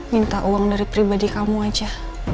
minta uang dari pribadi kamu aja